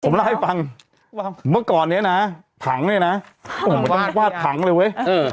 ผมเล่าให้ฟังเมื่อก่อนเนี้ยนะถังเนี่ยนะวาดถังเลยเว้ยเออ